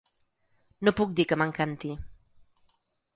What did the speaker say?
No puc dir que m’encanti.